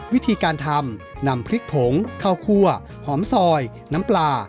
วิธีการทำนำพริกผงข้าวคั่วหอมซอยน้ำปลา